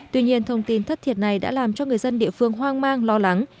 tuy nhiên thông tin thất thiệt này đã làm cho người dân địa phương hoang mang lo lắng